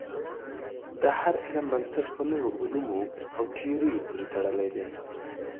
د هر علم بنسټ په نورو علومو او تیوریو پورې تړلی دی.